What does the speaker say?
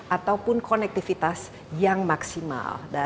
ataupun konektivitas yang maksimal